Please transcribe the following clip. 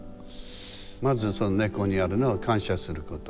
まず根っこにあるのは感謝すること。